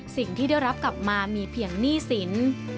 สิ่งที่ได้รับกลับมามีเพียงหนี้สิน